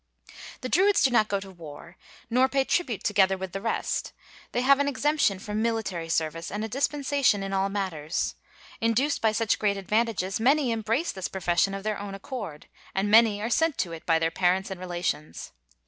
The Druids do not go to war, nor pay tribute together with the rest; they have an exemption from military service and a dispensation in all matters. Induced by such great advantages, many embrace this profession of their own accord, and many are sent to it by their parents and relations.